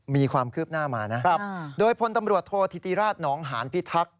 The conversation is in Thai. มีความคืบหน้ามานะครับโดยพลตำรวจโทษธิติราชหนองหานพิทักษ์